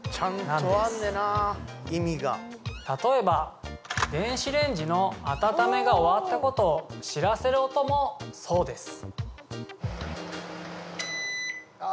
例えば電子レンジの温めが終わったことを知らせる音もそうです